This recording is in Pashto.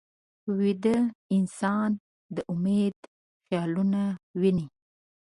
ویده انسان د امید خیالونه ویني